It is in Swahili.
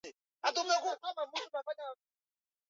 Ike Ekweremadu mwenye umri wa miaka sitini